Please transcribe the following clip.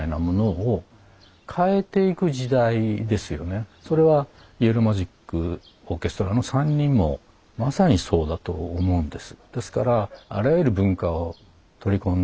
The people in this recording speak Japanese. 全てそのそれはイエロー・マジック・オーケストラの３人もまさにそうだと思うんです。